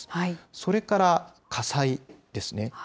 それから火災ですね。